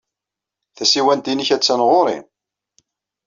Tasiwant-nnek attan ɣer-i.